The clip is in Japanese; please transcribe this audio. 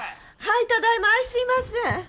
はいただいまあいすみません。